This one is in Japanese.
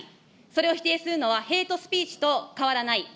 それを否定するのは、ヘイトスピーチと変わらない。